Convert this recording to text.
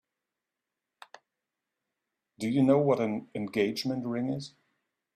Do you know what an engagement ring is?